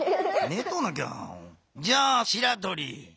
じゃあしらとり。